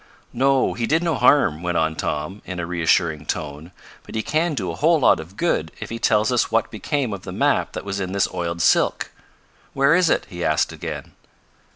"No, he did no harm," went on Tom, in a reassuring tone. "But he can do a whole lot of good if he tells us what became of the map that was in this oiled silk. Where is it?" he asked again.